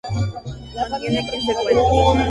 Contiene quince cuentos.